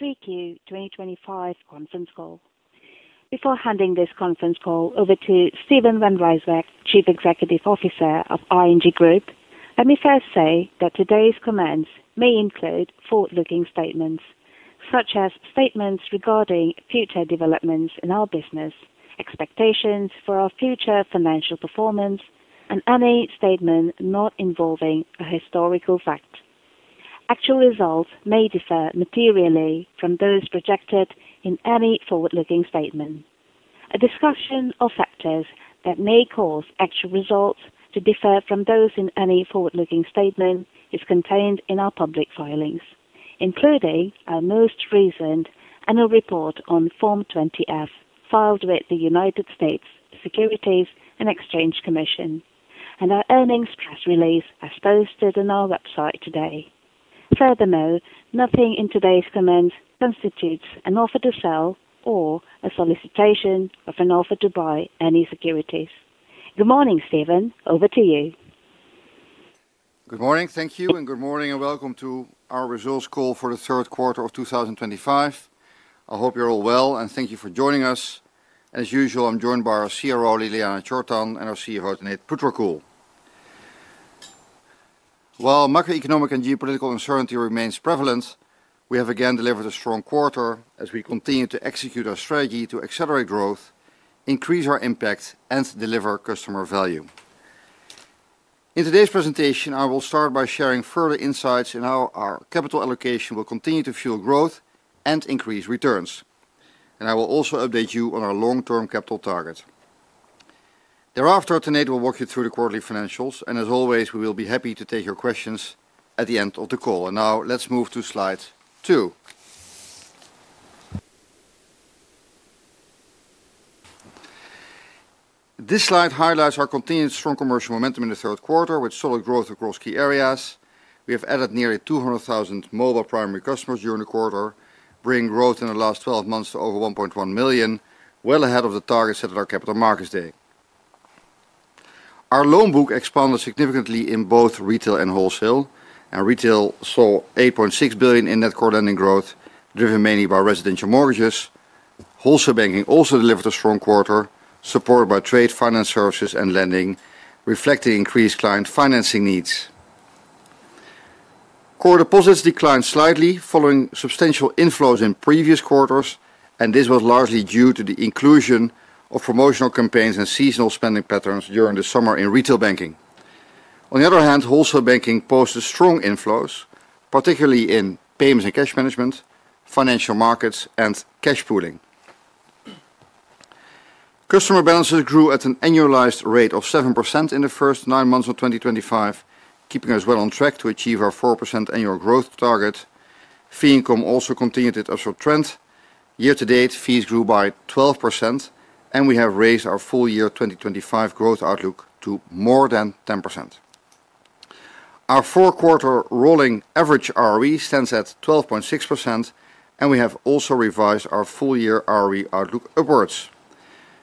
Thank you. 2025 conference call. Before handing this conference call over to Steven van Rijswijk, Chief Executive Officer of ING Group, let me first say that today's comments may include forward-looking statements, such as statements regarding future developments in our business, expectations for our future financial performance, and any statement not involving a historical fact. Actual results may differ materially from those projected in any forward-looking statement. A discussion of factors that may cause actual results to differ from those in any forward-looking statement is contained in our public filings, including our most recent annual report on Form 20-F filed with the United States Securities and Exchange Commission, and our earnings press release as posted on our website today. Furthermore, nothing in today's comments constitutes an offer to sell or a solicitation of an offer to buy any securities. Good morning, Steven. Over to you. Good morning. Thank you. Good morning and welcome to our results call for the third quarter of 2025. I hope you're all well and thank you for joining us. As usual, I'm joined by our CRO, Ljiljana Čortan, and our CFO, Tanate Phutrakul. While macroeconomic and geopolitical uncertainty remains prevalent, we have again delivered a strong quarter as we continue to execute our strategy to accelerate growth, increase our impact, and deliver customer value. In today's presentation, I will start by sharing further insights on how our capital allocation will continue to fuel growth and increase returns. I will also update you on our long-term capital target. Thereafter, Tanate will walk you through the quarterly financials, and as always, we will be happy to take your questions at the end of the call. Now let's move to slide two. This slide highlights our continued strong commercial momentum in the third quarter, with solid growth across key areas. We have added nearly 200,000 mobile primary customers during the quarter, bringing growth in the last 12 months to over 1.1 million, well ahead of the target set at our Capital Markets Day. Our loan book expanded significantly in both retail and wholesale, and retail saw 8.6 billion in net core lending growth, driven mainly by residential mortgages. Wholesale banking also delivered a strong quarter, supported by trade finance services and lending, reflecting increased client financing needs. Core deposits declined slightly following substantial inflows in previous quarters, and this was largely due to the inclusion of promotional campaigns and seasonal spending patterns during the summer in retail banking. On the other hand, wholesale banking posted strong inflows, particularly in payments and cash management, financial markets, and cash pooling. Customer balances grew at an annualized rate of 7% in the first nine months of 2025, keeping us well on track to achieve our 4% annual growth target. Fee income also continued its upward trend. Year to date, fees grew by 12%, and we have raised our full year 2025 growth outlook to more than 10%. Our four-quarter rolling average ROE stands at 12.6%, and we have also revised our full year ROE outlook upwards.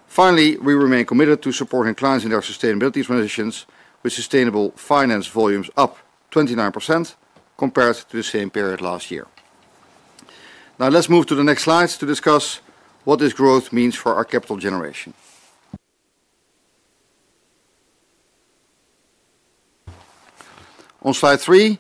Finally, we remain committed to supporting clients in their sustainability transitions, with sustainable finance volumes up 29% compared to the same period last year. Now let's move to the next slide to discuss what this growth means for our capital generation. On slide three,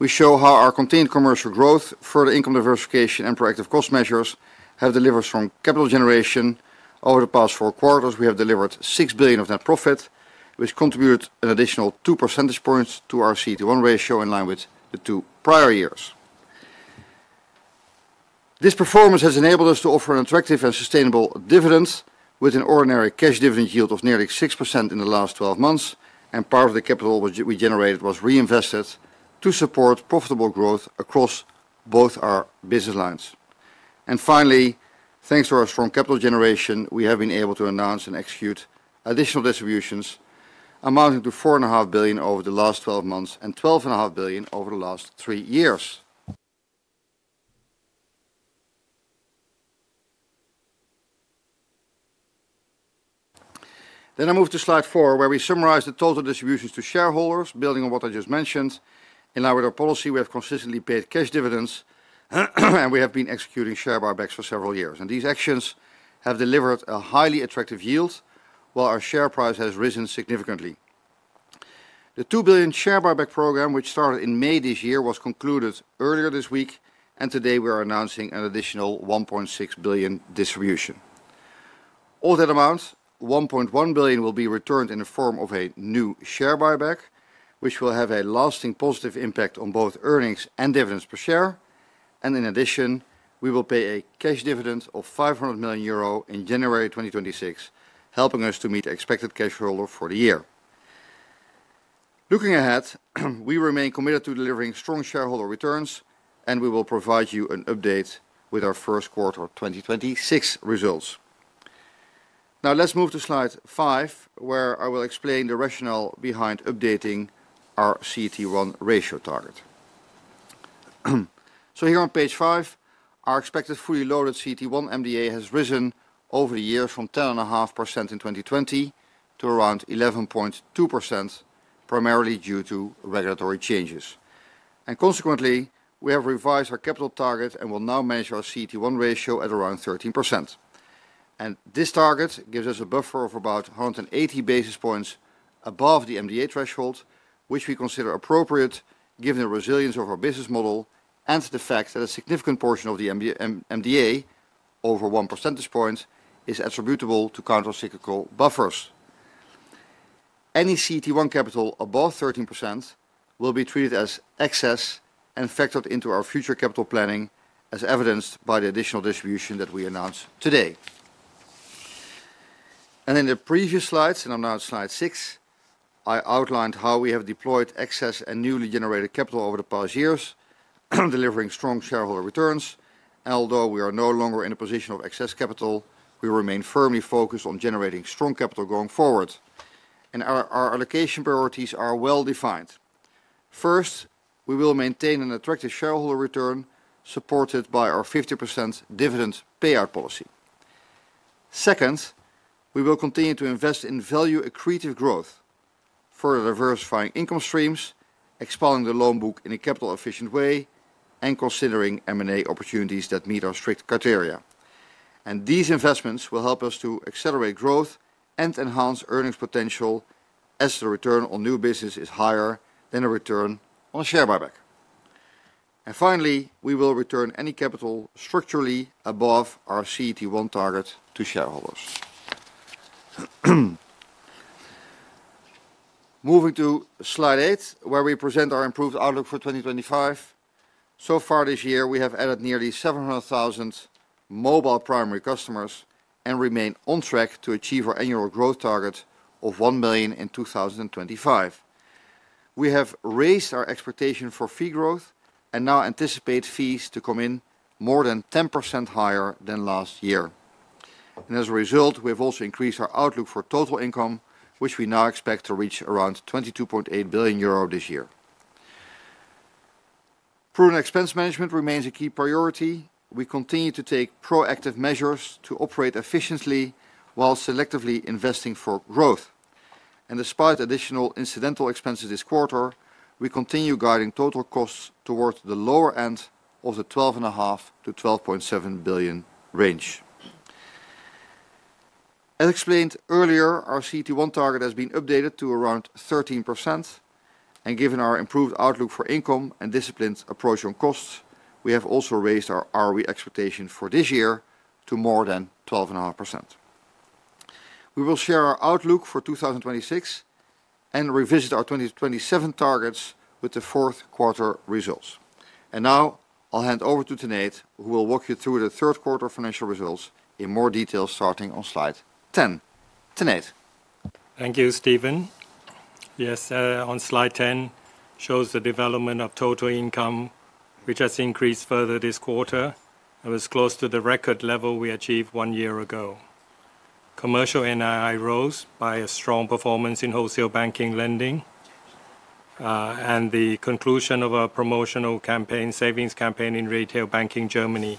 we show how our continued commercial growth, further income diversification, and proactive cost measures have delivered strong capital generation. Over the past four quarters, we have delivered 6 billion of net profit, which contributed an additional two percentage points to our CET1 capital ratio in line with the two prior years. This performance has enabled us to offer an attractive and sustainable dividend, with an ordinary cash dividend yield of nearly 6% in the last 12 months, and part of the capital we generated was reinvested to support profitable growth across both our business lines. Finally, thanks to our strong capital generation, we have been able to announce and execute additional distributions amounting to 4.5 billion over the last 12 months and 12.5 billion over the last three years. I move to slide four, where we summarize the total distributions to shareholders, building on what I just mentioned. In line with our policy, we have consistently paid cash dividends, and we have been executing share buybacks for several years, and these actions have delivered a highly attractive yield while our share price has risen significantly. The 2 billion share buyback program, which started in May this year, was concluded earlier this week, and today we are announcing an additional 1.6 billion distribution. Of that amount, 1.1 billion will be returned in the form of a new share buyback, which will have a lasting positive impact on both earnings and dividends per share. In addition, we will pay a cash dividend of 500 million euro in January 2026, helping us to meet expected cash flow for the year. Looking ahead, we remain committed to delivering strong shareholder returns, and we will provide you an update with our first quarter 2026 results. Now let's move to slide five, where I will explain the rationale behind updating our CET1 capital ratio target. Here on page five, our expected fully loaded CET1 MDA has risen over the years from 10.5% in 2020 to around 11.2%, primarily due to regulatory changes. Consequently, we have revised our capital target and will now manage our CET1 capital ratio at around 13%. This target gives us a buffer of about 180 basis points above the MDA threshold, which we consider appropriate given the resilience of our business model and the fact that a significant portion of the MDA, over one percentage point, is attributable to countercyclical buffers. Any CET1 capital above 13% will be treated as excess and factored into our future capital planning, as evidenced by the additional distribution that we announced today. In the previous slides, and I'm now at slide six, I outlined how we have deployed excess and newly generated capital over the past years, delivering strong shareholder returns. Although we are no longer in a position of excess capital, we remain firmly focused on generating strong capital going forward. Our allocation priorities are well defined. First, we will maintain an attractive shareholder return supported by our 50% dividend payout policy. Second, we will continue to invest in value accretive growth, further diversifying income streams, expanding the loan book in a capital-efficient way, and considering M&A opportunities that meet our strict criteria. These investments will help us to accelerate growth and enhance earnings potential as the return on new business is higher than the return on a share buyback. Finally, we will return any capital structurally above our CET1 target to shareholders. Moving to slide eight, where we present our improved outlook for 2025. So far this year, we have added nearly 700,000 mobile primary customers and remain on track to achieve our annual growth target of 1 million in 2025. We have raised our expectation for fee growth and now anticipate fees to come in more than 10% higher than last year. As a result, we have also increased our outlook for total income, which we now expect to reach around 22.8 billion euro this year. Proven expense management remains a key priority. We continue to take proactive measures to operate efficiently while selectively investing for growth. Despite additional incidental expenses this quarter, we continue guiding total costs towards the lower end of the 12.5 billion-12.7 billion range. As explained earlier, our CET1 target has been updated to around 13%. Given our improved outlook for income and disciplined approach on costs, we have also raised our ROE expectation for this year to more than 12.5%. We will share our outlook for 2026 and revisit our 2027 targets with the fourth quarter results. Now I'll hand over to Tanate, who will walk you through the third quarter financial results in more detail, starting on slide ten. Tanate. Thank you, Steven. Yes, on slide 10, it shows the development of total income, which has increased further this quarter. It was close to the record level we achieved one year ago. Commercial NII rose by a strong performance in wholesale banking lending and the conclusion of a promotional savings campaign in retail banking Germany.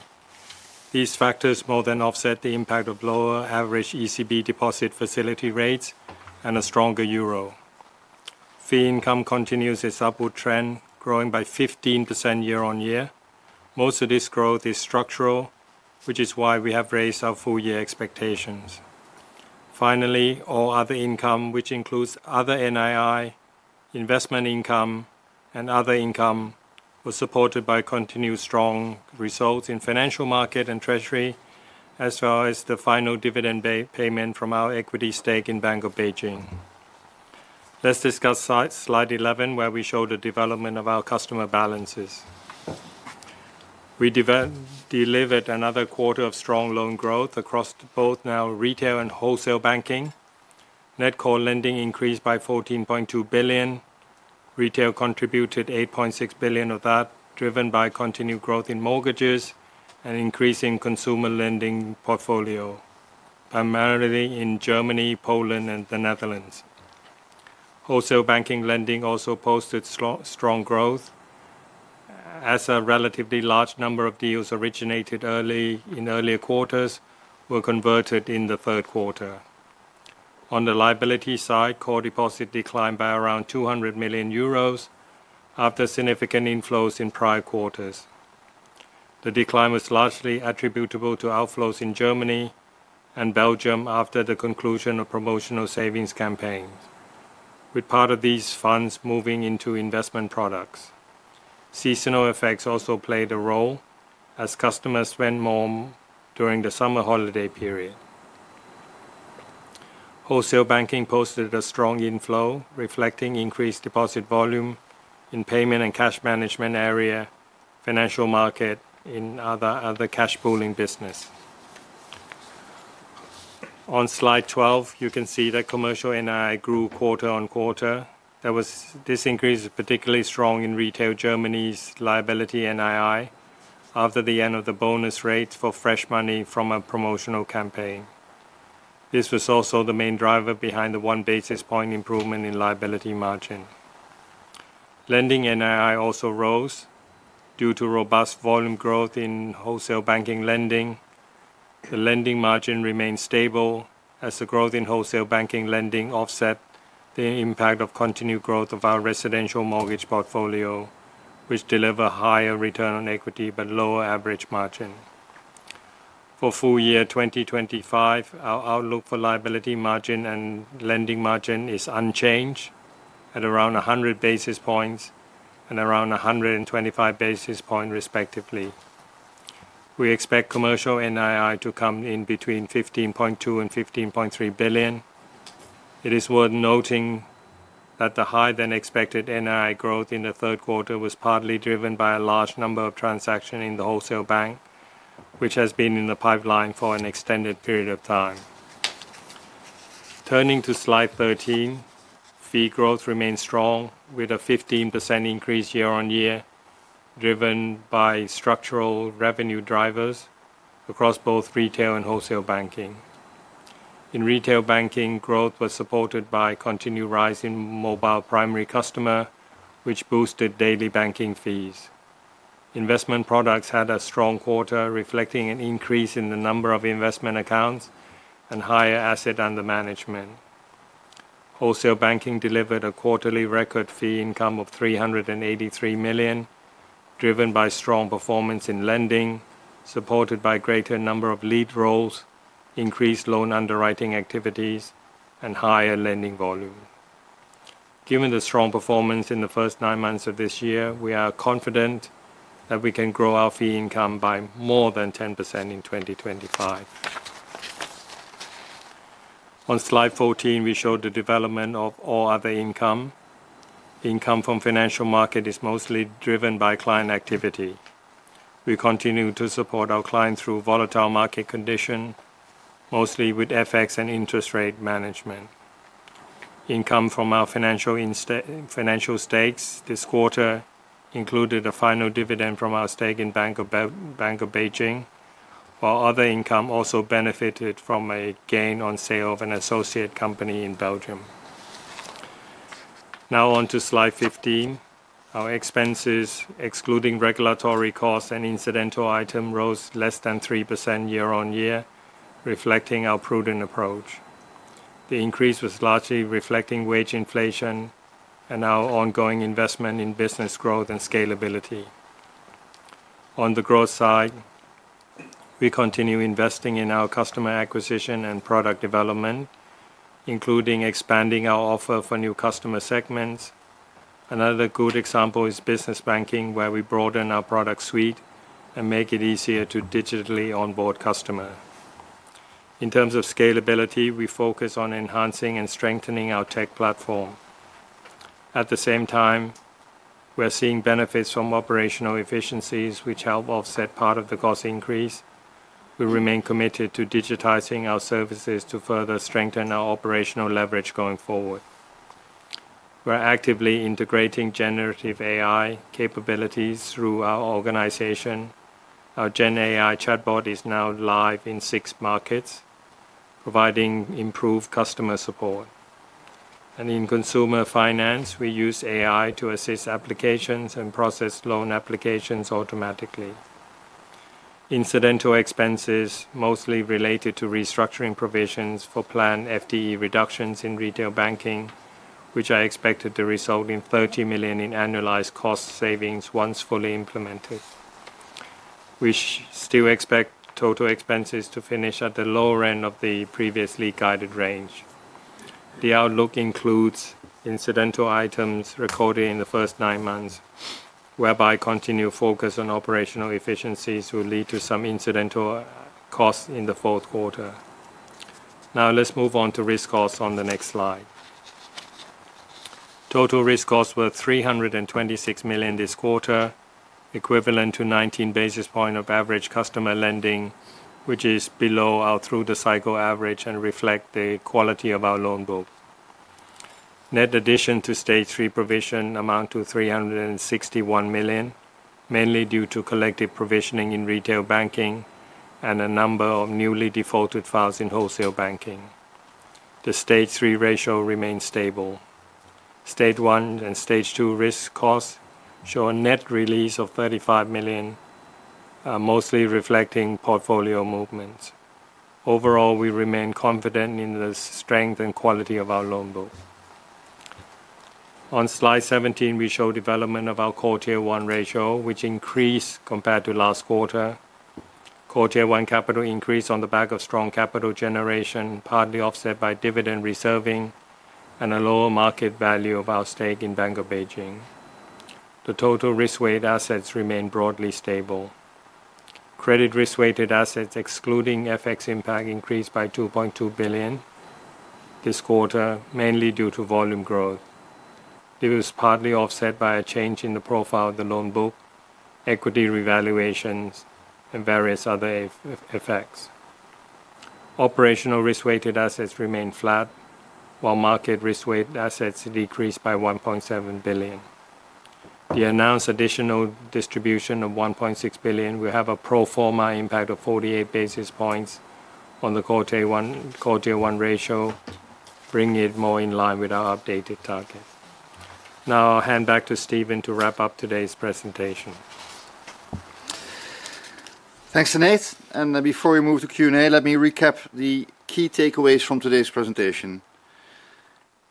These factors more than offset the impact of lower average ECB deposit facility rates and a stronger euro. Fee income continues its upward trend, growing by 15% year on year. Most of this growth is structural, which is why we have raised our full year expectations. Finally, all other income, which includes other NII, investment income, and other income, was supported by continued strong results in financial markets and treasury, as well as the final dividend payment from our equity stake in Bank of Beijing. Let's discuss slide 11, where we show the development of our customer balances. We delivered another quarter of strong loan growth across both retail and wholesale banking. Net core lending increased by 14.2 billion. Retail contributed 8.6 billion of that, driven by continued growth in mortgages and increasing consumer lending portfolio, primarily in Germany, Poland, and the Netherlands. Wholesale banking lending also posted strong growth, as a relatively large number of deals originated in earlier quarters were converted in the third quarter. On the liability side, core deposits declined by around 200 million euros after significant inflows in prior quarters. The decline was largely attributable to outflows in Germany and Belgium after the conclusion of promotional savings campaigns, with part of these funds moving into investment products. Seasonal effects also played a role as customers spent more during the summer holiday period. Wholesale banking posted a strong inflow, reflecting increased deposit volume in payment and cash management area, financial markets, and other cash pooling business. On slide 12, you can see that commercial NII grew quarter on quarter. This increase is particularly strong in retail Germany's liability NII after the end of the bonus rates for fresh money from a promotional campaign. This was also the main driver behind the one basis point improvement in liability margin. Lending NII also rose due to robust volume growth in wholesale banking lending. The lending margin remained stable as the growth in wholesale banking lending offset the impact of continued growth of our residential mortgage portfolio, which delivered a higher return on equity but lower average margin. For full year 2025, our outlook for liability margin and lending margin is unchanged at around 100 basis points and around 125 basis points, respectively. We expect commercial NII to come in between 15.2 billion and 15.3 billion. It is worth noting that the higher than expected NII growth in the third quarter was partly driven by a large number of transactions in the wholesale bank, which has been in the pipeline for an extended period of time. Turning to slide 13, fee growth remains strong with a 15% increase year on year, driven by structural revenue drivers across both retail and wholesale banking. In retail banking, growth was supported by a continued rise in mobile primary customers, which boosted daily banking fees. Investment products had a strong quarter, reflecting an increase in the number of investment accounts and higher assets under management. Wholesale banking delivered a quarterly record fee income of 383 million, driven by strong performance in lending, supported by a greater number of lead roles, increased loan underwriting activities, and higher lending volume. Given the strong performance in the first nine months of this year, we are confident that we can grow our fee income by more than 10% in 2025. On slide 14, we show the development of all other income. Income from the financial markets is mostly driven by client activity. We continue to support our clients through volatile market conditions, mostly with FX and interest rate management. Income from our financial stakes this quarter included a final dividend from our stake in Bank of Beijing, while other income also benefited from a gain on sale of an associate company in Belgium. Now on to slide 15. Our expenses, excluding regulatory costs and incidental items, rose less than 3% year on year, reflecting our prudent approach. The increase was largely reflecting wage inflation and our ongoing investment in business growth and scalability. On the growth side, we continue investing in our customer acquisition and product development, including expanding our offer for new customer segments. Another good example is business banking, where we broaden our product suite and make it easier to digitally onboard customers. In terms of scalability, we focus on enhancing and strengthening our tech platform. At the same time, we're seeing benefits from operational efficiencies, which help offset part of the cost increase. We remain committed to digitizing our services to further strengthen our operational leverage going forward. We're actively integrating generative AI capabilities through our organization. Our gen AI chatbot is now live in six markets, providing improved customer support. In consumer finance, we use AI to assist applications and process loan applications automatically. Incidental expenses are mostly related to restructuring provisions for planned FTE reductions in retail banking, which are expected to result in 30 million in annualized cost savings once fully implemented. We still expect total expenses to finish at the lower end of the previously guided range. The outlook includes incidental items recorded in the first nine months, whereby continued focus on operational efficiencies will lead to some incidental costs in the fourth quarter. Now let's move on to risk costs on the next slide. Total risk costs were 326 million this quarter, equivalent to 19 basis points of average customer lending, which is below our through-the-cycle average and reflects the quality of our loan book. Net addition to stage three provision amounts to 361 million, mainly due to collective provisioning in retail banking and a number of newly defaulted files in wholesale banking. The stage three ratio remains stable. Stage one and stage two risk costs show a net release of 35 million, mostly reflecting portfolio movements. Overall, we remain confident in the strength and quality of our loan book. On slide 17, we show development of our quarter one ratio, which increased compared to last quarter. Quarter one capital increase on the back of strong capital generation, partly offset by dividend reserving and a lower market value of our stake in Bank of Beijing. The total risk-weighted assets remain broadly stable. Credit risk-weighted assets, excluding FX impact, increased by 2.2 billion this quarter, mainly due to volume growth. This was partly offset by a change in the profile of the loan book, equity revaluations, and various other effects. Operational risk-weighted assets remain flat, while market risk-weighted assets decreased by 1.7 billion. The announced additional distribution of 1.6 billion will have a pro forma impact of 48 basis points on the CET1 ratio, bringing it more in line with our updated target. Now I'll hand back to Steven to wrap up today's presentation. Thanks, Tanate. Before we move to Q&A, let me recap the key takeaways from today's presentation.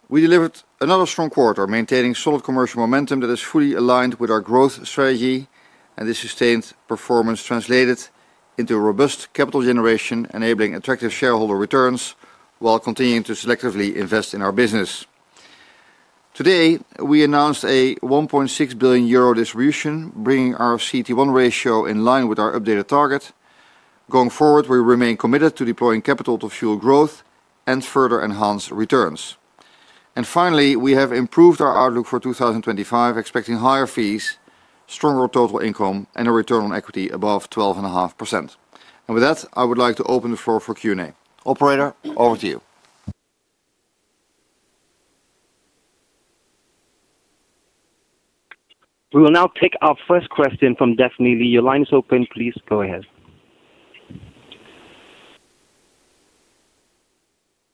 We delivered another strong quarter, maintaining solid commercial momentum that is fully aligned with our growth strategy, and the sustained performance translated into robust capital generation, enabling attractive shareholder returns while continuing to selectively invest in our business. Today, we announced a 1.6 billion euro distribution, bringing our CET1 capital ratio in line with our updated target. Going forward, we remain committed to deploying capital to fuel growth and further enhance returns. Finally, we have improved our outlook for 2025, expecting higher fees, stronger total income, and a return on equity above 12.5%. With that, I would like to open the floor for Q&A. Operator, over to you. We will now take our first question from Delphine Lee. Your line is open. Please go ahead.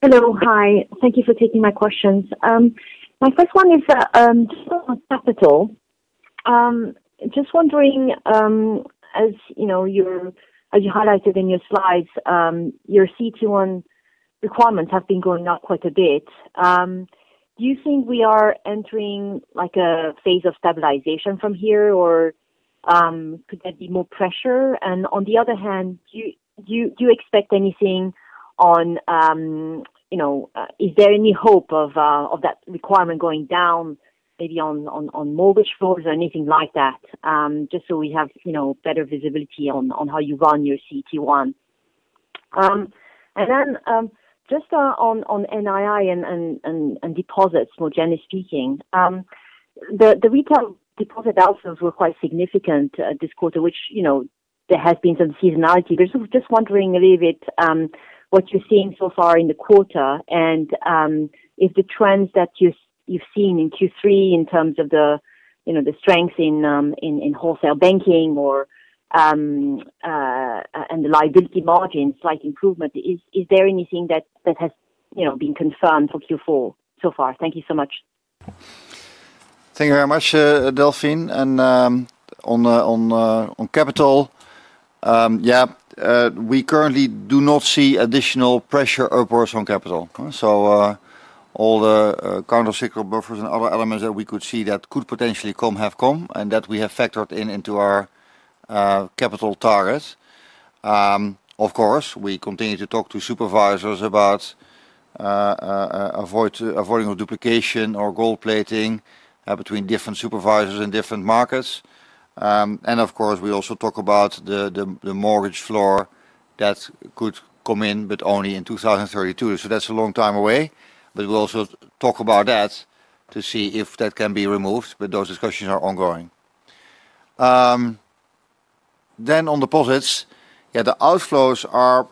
Hello. Hi. Thank you for taking my questions. My first one is just on capital. Just wondering, as you highlighted in your slides, your CET1 requirements have been going up quite a bit. Do you think we are entering like a phase of stabilization from here, or could there be more pressure? On the other hand, do you expect anything on, you know, is there any hope of that requirement going down, maybe on mortgage floors or anything like that? Just so we have, you know, better visibility on how you run your CET1. Then just on NII and deposits, more generally speaking, the retail deposit outflows were quite significant this quarter, which, you know, there has been some seasonality. I was just wondering, a little bit, what you're seeing so far in the quarter and if the trends that you've seen in Q3 in terms of the strength in wholesale banking and the liability margins, slight improvement. Is there anything that has been confirmed for Q4 so far? Thank you so much. Thank you very much, Delphine. On capital, we currently do not see additional pressure upwards on capital. All the countercyclical buffers and other elements that we could see that could potentially have come and that we have factored in into our capital target. Of course, we continue to talk to supervisors about avoiding duplication or gold plating between different supervisors in different markets. We also talk about the mortgage floor that could come in, but only in 2032. That is a long time away. We will also talk about that to see if that can be removed. Those discussions are ongoing. On deposits, the outflows are,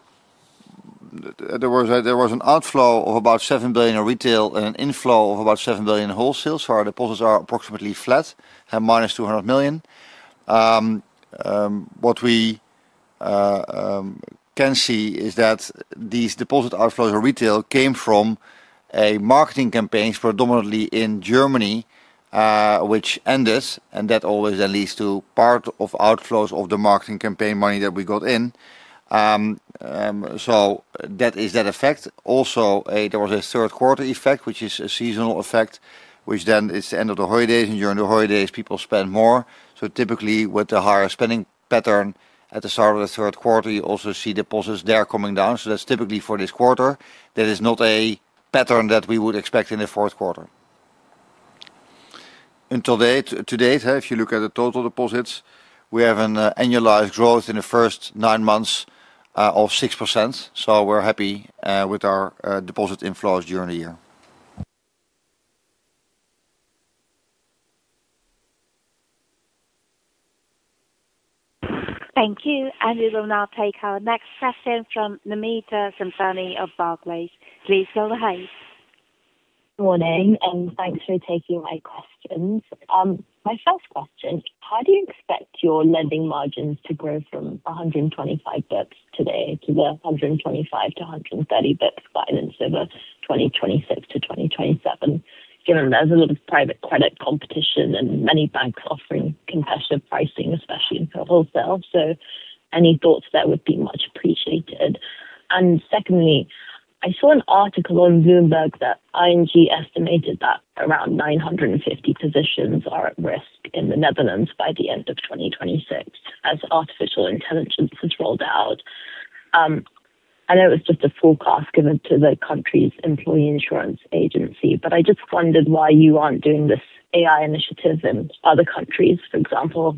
there was an outflow of about 7 billion in retail and an inflow of about 7 billion in wholesale. Our deposits are approximately flat, have -200 million. What we can see is that these deposit outflows in retail came from marketing campaigns predominantly in Germany, which ended, and that always then leads to part of outflows of the marketing campaign money that we got in. That is that effect. There was a third quarter effect, which is a seasonal effect, which then is the end of the holidays. During the holidays, people spend more. Typically, with the higher spending pattern at the start of the third quarter, you also see deposits there coming down. That is typically for this quarter. That is not a pattern that we would expect in the fourth quarter. Today, if you look at the total deposits, we have an annualized growth in the first nine months of 6%. We are happy with our deposit inflows during the year. Thank you. We will now take our next question from Namita Samtani of Barclays. Please go ahead. Morning, and thanks for taking my questions. My first question, how do you expect your lending margins to grow from 125 basis points today to the 125-130 basis points guidance over 2026-2027, given there's a lot of private credit competition and many banks offering competitive pricing, especially for wholesale? Any thoughts there would be much appreciated. Secondly, I saw an article on Bloomberg that ING estimated that around 950 positions are at risk in the Netherlands by the end of 2026 as artificial intelligence is rolled out. I know it was just a forecast given to the country's employee insurance agency, but I just wondered why you aren't doing this AI initiative in other countries. For example,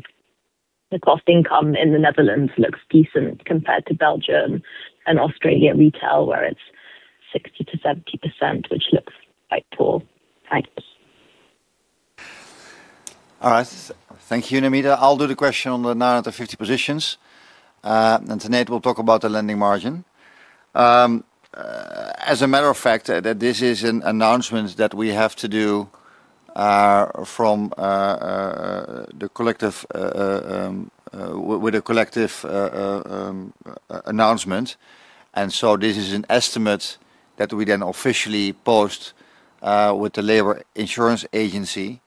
the cost to income in the Netherlands looks decent compared to Belgium and Australia retail, where it's 60%-70%, which looks quite poor. Thanks. All right. Thank you, Namita. I'll do the question on the 950 positions. Tanate will talk about the lending margin. As a matter of fact, this is an announcement that we have to do with a collective announcement. This is an estimate that we then officially post with the Labor Insurance Agency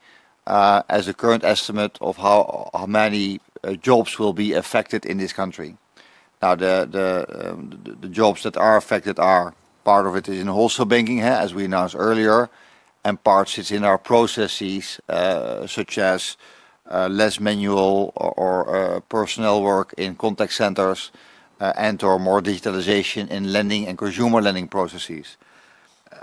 as the current estimate of how many jobs will be affected in this country. The jobs that are affected are part of it is in wholesale banking, as we announced earlier, and part sits in our processes, such as less manual or personnel work in contact centers and/or more digitalization in lending and consumer lending processes.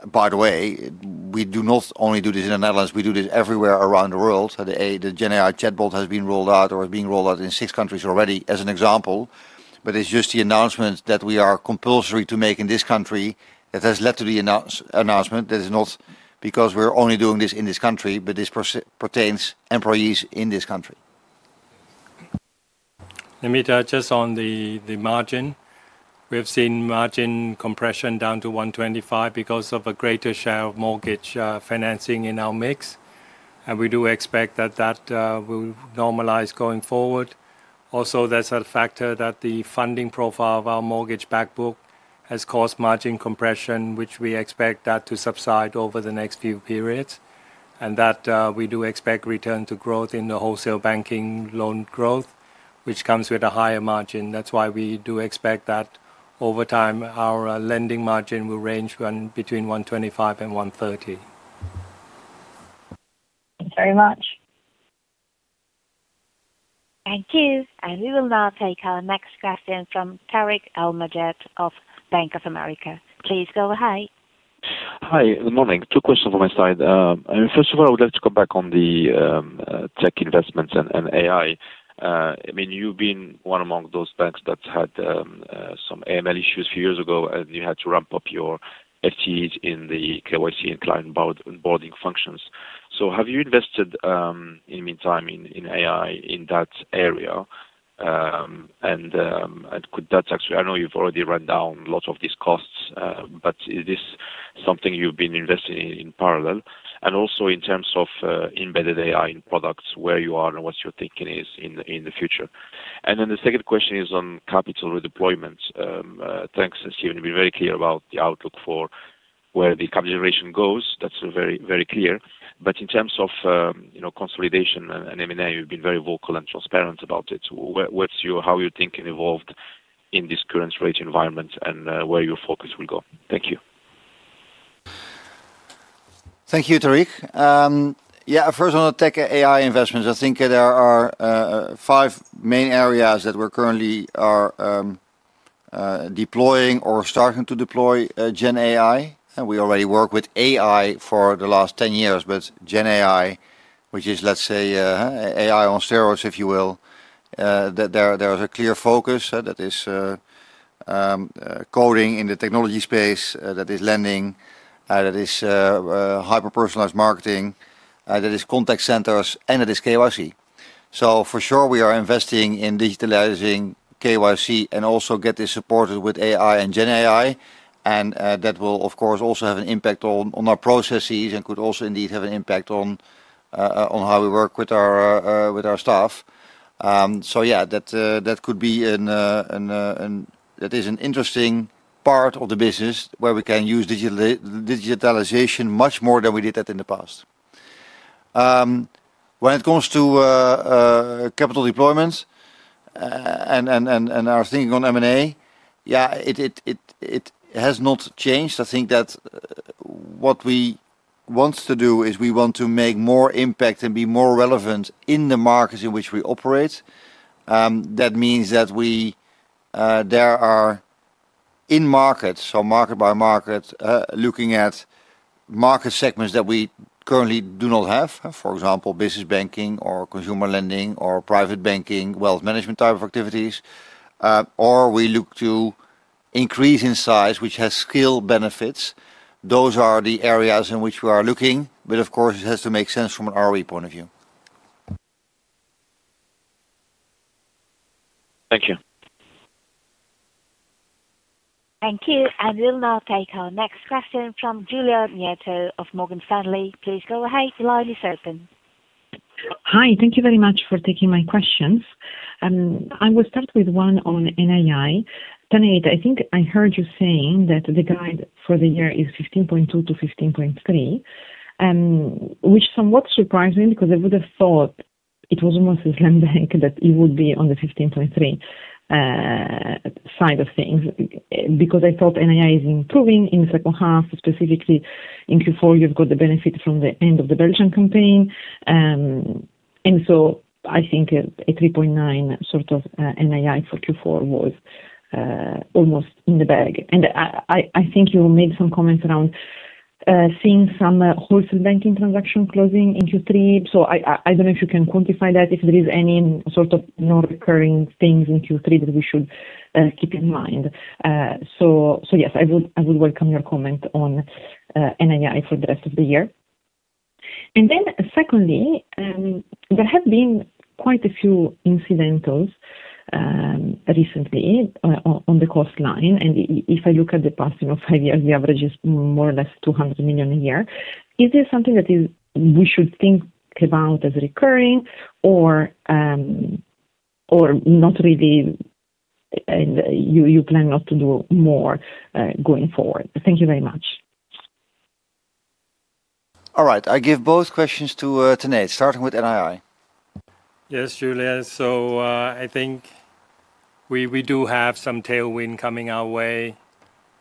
By the way, we do not only do this in the Netherlands. We do this everywhere around the world. The gen AI chatbot has been rolled out or is being rolled out in six countries already, as an example. It's just the announcement that we are compulsory to make in this country that has led to the announcement. It is not because we're only doing this in this country, but this pertains to employees in this country. Namita, just on the margin, we have seen margin compression down to 125 basis points because of a greater share of mortgage financing in our mix. We do expect that will normalize going forward. Also, that's a factor that the funding profile of our mortgage backbook has caused margin compression, which we expect to subside over the next few periods. We do expect return to growth in the wholesale banking loan growth, which comes with a higher margin. That's why we do expect that over time, our lending margin will range between 125 basis points and 130 basis points. Thanks very much. Thank you. We will now take our next question from Tarik El Mejjad of Bank of America. Please go ahead. Hi. Good morning. Two questions from my side. First of all, I would like to come back on the tech investments and AI. You've been one among those banks that had some AML issues a few years ago, and you had to ramp up your FTEs in the KYC and client onboarding functions. Have you invested in the meantime in AI in that area? Could that actually, I know you've already run down a lot of these costs, but is this something you've been investing in in parallel? Also, in terms of embedded AI in products, where you are and what your thinking is in the future. The second question is on capital redeployment. Thanks, Steven. You've been very clear about the outlook for where the capital generation goes. That's very, very clear. In terms of consolidation and M&A, you've been very vocal and transparent about it. How are you thinking involved in this current rate environment and where your focus will go? Thank you. Thank you, Tarik. Yeah, first on the tech AI investments, I think there are five main areas that we currently are deploying or starting to deploy gen AI. We already work with AI for the last 10 years, but gen AI, which is, let's say, AI on steroids, if you will, there is a clear focus that is coding in the technology space, that is lending, that is hyper-personalized marketing, that is contact centers, and that is KYC. For sure, we are investing in digitalizing KYC and also get this supported with AI and gen AI. That will, of course, also have an impact on our processes and could also indeed have an impact on how we work with our staff. Yeah, that could be an interesting part of the business where we can use digitalization much more than we did that in the past. When it comes to capital deployment and our thinking on M&A, it has not changed. I think that what we want to do is we want to make more impact and be more relevant in the markets in which we operate. That means that there are in-market, so market by market, looking at market segments that we currently do not have, for example, business banking or consumer lending or private banking, wealth management type of activities, or we look to increase in size, which has skill benefits. Those are the areas in which we are looking. Of course, it has to make sense from an ROE point of view. Thank you. Thank you. We'll now take our next question from Giulia Miotto of Morgan Stanley. Please go ahead. Your line is open. Hi. Thank you very much for taking my questions. I will start with one on NII. Tanate, I think I heard you saying that the guide for the year is 15.2 billion-15.3 billion, which is somewhat surprising because I would have thought it was almost a slam dunk that you would be on the 15.3 billion side of things because I thought NII is improving in the second half, specifically in Q4. You've got the benefit from the end of the Belgian campaign. I think a 3.9 billion sort of NII for Q4 was almost in the bag. I think you made some comments around seeing some wholesale banking transaction closing in Q3. I don't know if you can quantify that, if there is any sort of non-recurring things in Q3 that we should keep in mind. Yes, I would welcome your comment on NII for the rest of the year. Secondly, there have been quite a few incidentals recently on the cost line. If I look at the past five years, the average is more or less 200 million a year. Is this something that we should think about as recurring or not really, and you plan not to do more going forward? Thank you very much. All right, I give both questions to Tanate, starting with NII. Yes, Giulia. I think we do have some tailwind coming our way.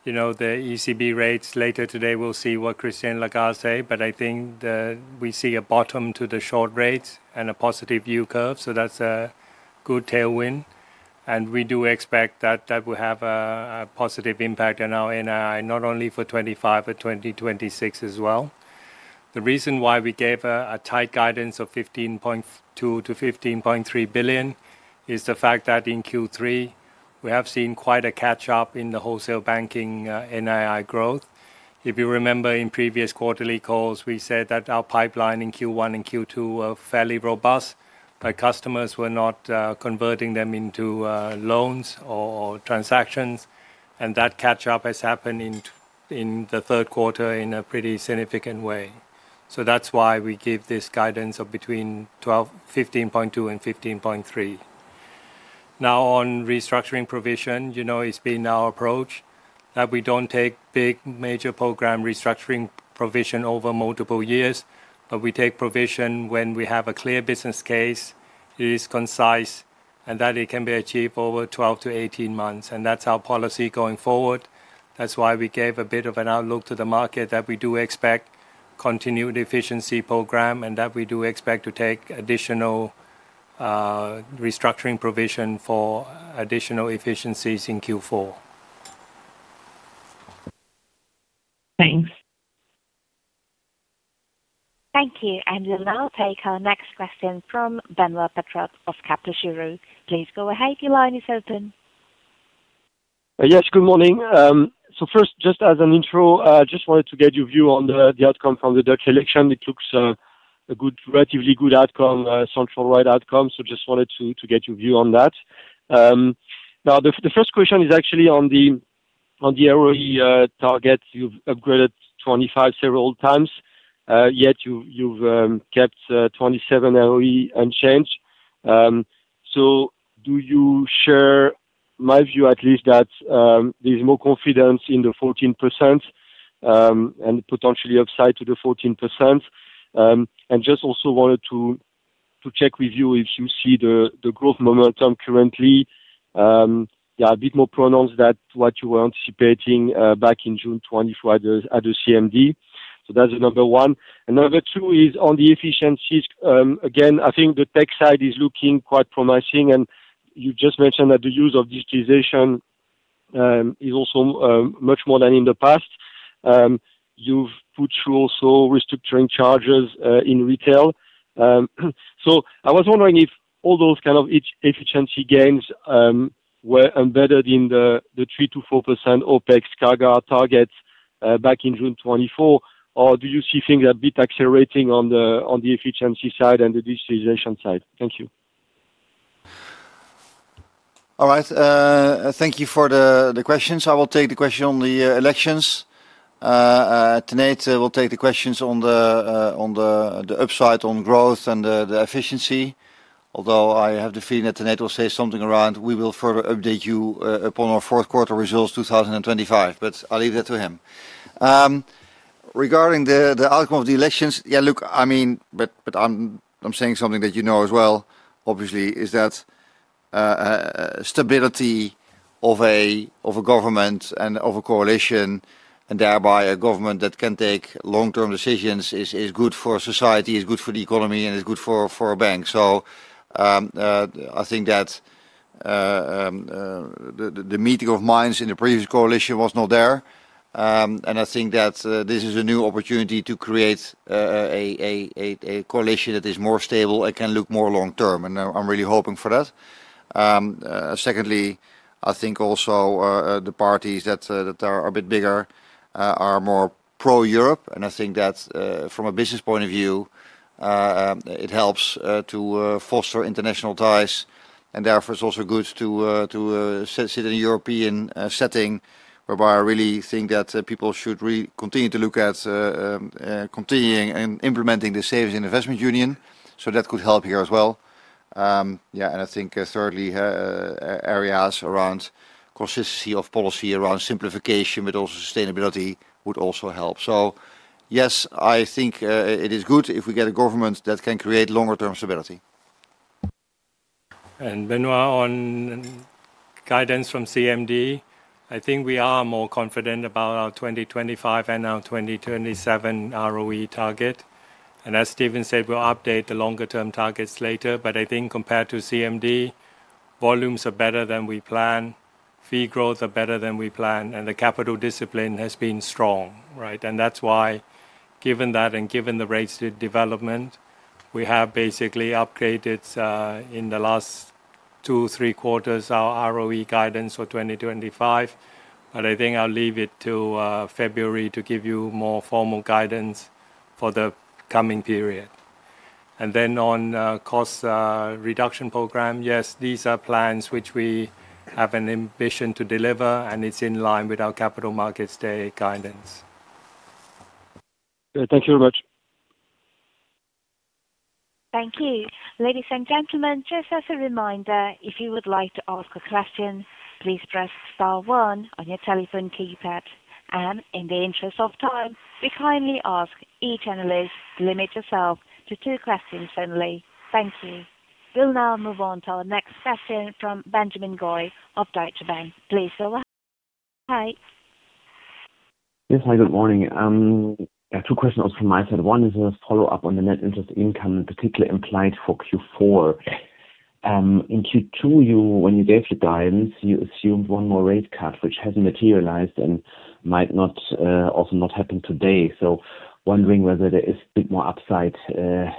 You know, the ECB rates later today, we'll see what Christine Lagarde says. I think we see a bottom to the short rates and a positive U-curve. That's a good tailwind. We do expect that will have a positive impact on our NII, not only for 2025 but 2026 as well. The reason why we gave a tight guidance of 15.2 billion-15.3 billion is the fact that in Q3, we have seen quite a catch-up in the wholesale banking NII growth. If you remember in previous quarterly calls, we said that our pipeline in Q1 and Q2 was fairly robust, but customers were not converting them into loans or transactions. That catch-up has happened in the third quarter in a pretty significant way. That's why we give this guidance of between 15.2 billion and 15.3 billion. Now, on restructuring provision, you know it's been our approach that we don't take big major program restructuring provision over multiple years, but we take provision when we have a clear business case, it is concise, and that it can be achieved over 12-18 months. That's our policy going forward. That's why we gave a bit of an outlook to the market that we do expect a continued efficiency program and that we do expect to take additional restructuring provision for additional efficiencies in Q4. Thanks. Thank you. We'll now take our next question from Benoît Pétrarque of Kepler Cheuvreux. Please go ahead. Your line is open. Yes, good morning. First, just as an intro, I just wanted to get your view on the outcome from the Dutch election. It looks a relatively good outcome, a center-right outcome. I just wanted to get your view on that. The first question is actually on the ROE targets. You've upgraded 2025 several times, yet you've kept 2027 ROE unchanged. Do you share my view, at least, that there's more confidence in the 14% and potentially upside to the 14%? I also wanted to check with you if you see the growth momentum currently, yeah, a bit more pronounced than what you were anticipating back in June 2024 at the CMD. That's the number one. Number two is on the efficiencies. I think the tech side is looking quite promising. You just mentioned that the use of digitalization is also much more than in the past. You've put through also restructuring charges in retail. I was wondering if all those kinds of efficiency gains were embedded in the 3%-4% OpEx CAGR targets back in June 2024, or do you see things a bit accelerating on the efficiency side and the digitalization side? Thank you. All right. Thank you for the questions. I will take the question on the elections. Tanate will take the questions on the upside on growth and the efficiency, although I have the feeling that Tanate will say something around, "We will further update you upon our fourth quarter results 2025." I'll leave that to him. Regarding the outcome of the elections, yeah, look, I mean, I'm saying something that you know as well, obviously, that stability of a government and of a coalition, and thereby a government that can take long-term decisions, is good for society, is good for the economy, and is good for a bank. I think that the meeting of minds in the previous coalition was not there. I think that this is a new opportunity to create a coalition that is more stable and can look more long-term. I'm really hoping for that. Secondly, I think also the parties that are a bit bigger are more pro-Europe. I think that from a business point of view, it helps to foster international ties. Therefore, it's also good to sit in a European setting, whereby I really think that people should continue to look at continuing and implementing the savings and investment union. That could help here as well. Yeah. I think thirdly, areas around consistency of policy, around simplification, but also sustainability would also help. Yes, I think it is good if we get a government that can create longer-term stability. Benoit on guidance from CMD. We are more confident about our 2025 and our 2027 ROE target. As Steven said, we'll update the longer-term targets later. I think compared to CMD, volumes are better than we planned, fee growth is better than we planned, and the cost discipline has been strong, right? Given that and given the rates development, we have basically upgraded in the last two or three quarters our ROE guidance for 2025. I'll leave it to February to give you more formal guidance for the coming period. On cost reduction program, yes, these are plans which we have an ambition to deliver, and it's in line with our Capital Markets Day guidance. Thank you very much. Thank you. Ladies and gentlemen, just as a reminder, if you would like to ask a question, please press star one on your telephone keypad. In the interest of time, we kindly ask each analyst to limit yourself to two questions only. Thank you. We'll now move on to our next question from Benjamin Goy of Deutsche Bank. Please go ahead. Hi. Yes, hi. Good morning. I have two questions also from my side. One is a follow-up on the net interest income, particularly implied for Q4. In Q2, when you gave the guidance, you assumed one more rate cut, which hasn't materialized and might also not happen today. I'm wondering whether there is a bit more upside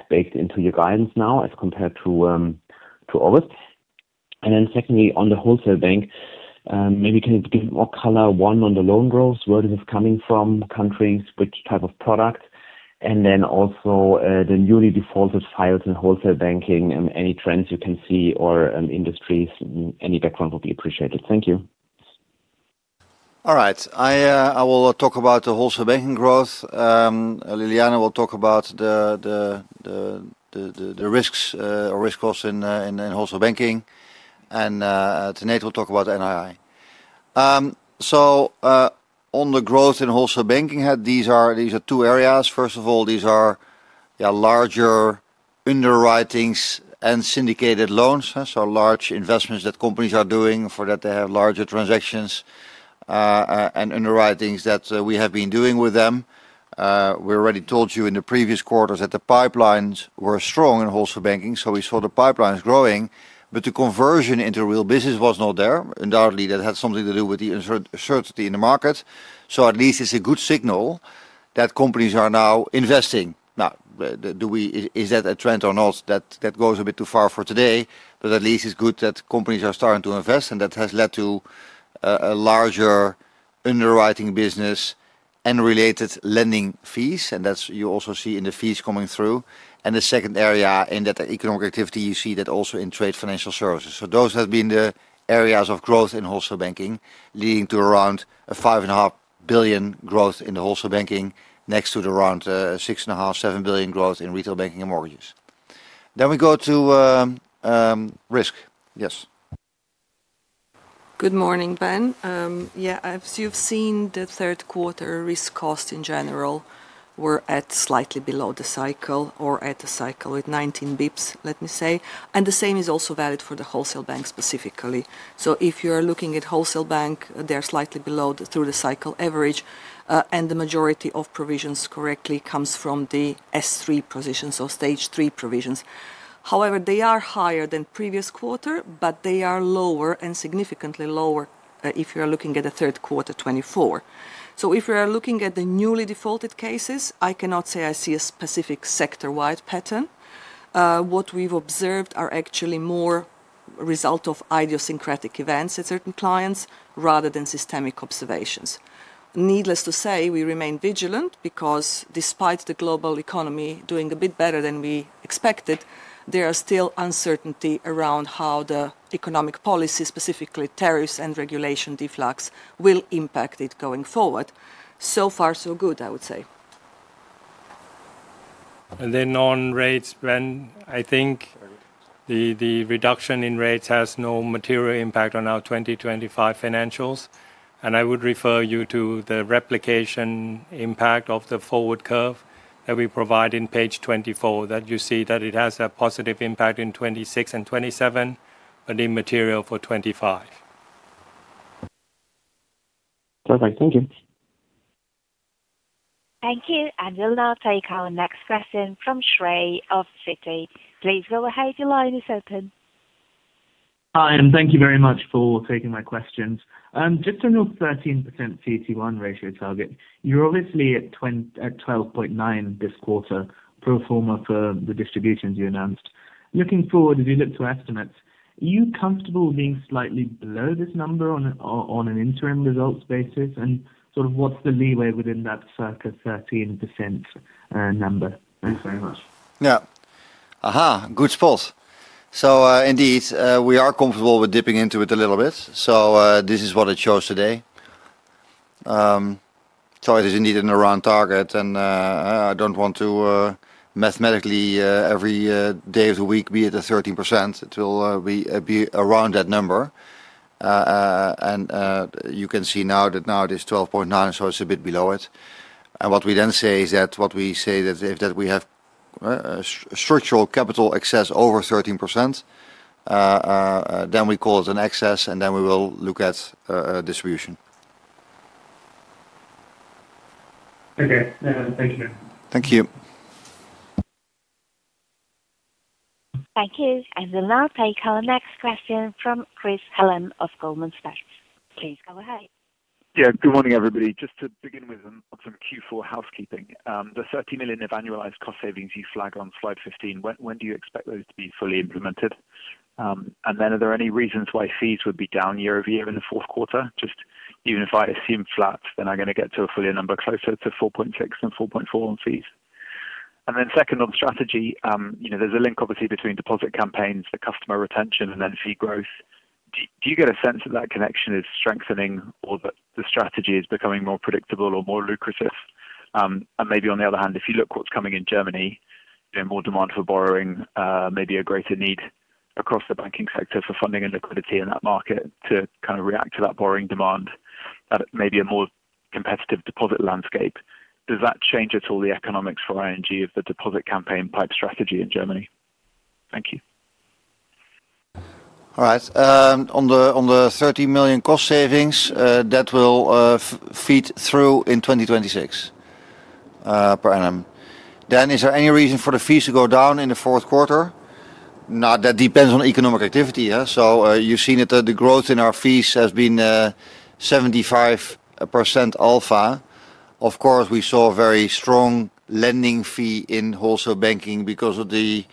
baked into your guidance now as compared to August. Secondly, on the wholesale bank, maybe can you give more color on the loan growth? Where is it coming from? Countries, which type of product? Also, the newly defaulted files in wholesale banking, any trends you can see or industries, any background would be appreciated. Thank you. All right. I will talk about the wholesale banking growth. Ljiljana will talk about the risks or risk costs in wholesale banking. And Tanate will talk about NII. On the growth in wholesale banking, these are two areas. First of all, these are larger underwritings and syndicated loans. Large investments that companies are doing, for that they have larger transactions and underwritings that we have been doing with them. We already told you in the previous quarters that the pipelines were strong in wholesale banking. We saw the pipelines growing, but the conversion into real business was not there. Undoubtedly, that had something to do with the uncertainty in the market. At least it's a good signal that companies are now investing. Now, is that a trend or not? That goes a bit too far for today. At least it's good that companies are starting to invest, and that has led to a larger underwriting business and related lending fees. You also see that in the fees coming through. The second area in that economic activity, you see that also in trade finance services. Those have been the areas of growth in wholesale banking, leading to around 5.5 billion growth in the wholesale banking, next to the around 6.5 billion-7 billion growth in retail banking and mortgages. We go to risk. Yes. Good morning, Ben. Yeah, as you've seen, the third quarter risk costs in general were at slightly below the cycle or at a cycle with 19 basis points, let me say. The same is also valid for the wholesale bank specifically. If you are looking at wholesale bank, they're slightly below through the cycle average. The majority of provisions correctly come from the S3 provisions, so stage three provisions. However, they are higher than previous quarter, but they are lower and significantly lower if you are looking at the third quarter 2024. If you are looking at the newly defaulted cases, I cannot say I see a specific sector-wide pattern. What we've observed are actually more a result of idiosyncratic events at certain clients rather than systemic observations. Needless to say, we remain vigilant because despite the global economy doing a bit better than we expected, there is still uncertainty around how the economic policy, specifically tariffs and regulation deflects, will impact it going forward. So far, so good, I would say. On rates, Ben, I think the reduction in rates has no material impact on our 2025 financials. I would refer you to the replication impact of the forward curve that we provide on page 24. You see that it has a positive impact in 2026 and 2027, but it is immaterial for 2025. Perfect. Thank you. Thank you. We'll now take our next question from Shrey of Citi. Please go ahead. Your line is open. Hi, and thank you very much for taking my questions. Just on your 13% CET1 capital ratio target, you're obviously at 12.9% this quarter, pro forma for the distributions you announced. Looking forward, as you look to estimates, are you comfortable being slightly below this number on an interim results basis? What's the leeway within that circa 13% number? Thanks very much. Yeah, good spot. Indeed, we are comfortable with dipping into it a little bit. This is what it shows today. It is indeed around target. I don't want to mathematically every day of the week be at 13%. It will be around that number. You can see now that it is 12.9%, so it's a bit below it. What we then say is that if we have structural capital excess over 13%, then we call it an excess, and then we will look at distribution. Okay. Thank you, Ben. Thank you. Thank you. We'll now take our next question from Chris Hallam of Goldman Sachs. Please go ahead. Good morning, everybody. Just to begin with some Q4 housekeeping, the 30 million of annualized cost savings you flag on slide 15, when do you expect those to be fully implemented? Are there any reasons why fees would be down year-over-year in the fourth quarter? Even if I assume flat, then I'm going to get to a full year number closer to 4.6 billion than 4.4 billion on fees. Second, on strategy, you know there's a link obviously between deposit campaigns, the customer retention, and then fee growth. Do you get a sense that that connection is strengthening or that the strategy is becoming more predictable or more lucrative? Maybe on the other hand, if you look at what's coming in Germany, there's more demand for borrowing, maybe a greater need across the banking sector for funding and liquidity in that market to react to that borrowing demand, that maybe a more competitive deposit landscape. Does that change at all the economics for ING of the deposit campaign pipe strategy in Germany? Thank you. All right. On the 30 million cost savings, that will feed through in 2026 per annum. Is there any reason for the fees to go down in the fourth quarter? That depends on economic activity. You've seen that the growth in our fees has been 7.5% alpha. We saw a very strong lending fee in wholesale banking because of the